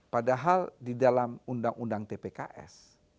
padahal di dalam undang undang tpks